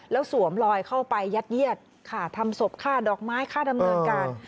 แล้วสวมลอยเข้าไปยัดเยียดค่ะทำศพค่าดอกไม้ค่าดำเนินการ